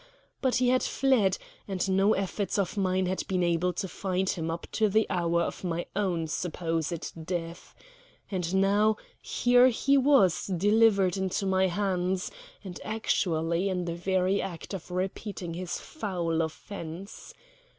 But he had fled, and no efforts of mine had been able to find him up to the hour of my own supposed death. And now here he was delivered into my hands, and actually in the very act of repeating his foul offence.